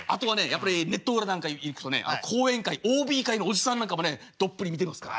やっぱりネット裏なんかに行くとね後援会ＯＢ会のおじさんなんかもねどっぷり見てますから。